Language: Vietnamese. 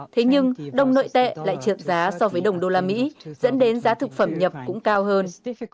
thế nhưng đồng nội tệ lại trượt giá so với đồng đô la mỹ dẫn đến giá thực phẩm nhập cũng cao hơn